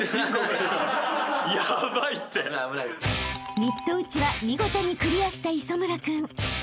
［ミット打ちは見事にクリアした磯村君］